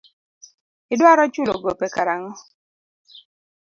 Idwaro chulo gope kar ang'o.